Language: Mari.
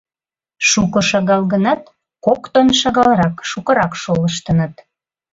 Шуко-шагал гынат, кок тонн шагалрак-шукырак шолыштыныт.